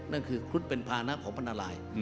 นั่นคือครุฑเป็นภานะของพระนาราย